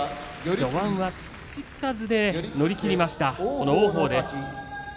序盤は土つかずで乗り切りました王鵬です。